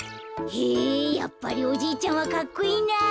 へぇやっぱりおじいちゃんはかっこいいなぁ。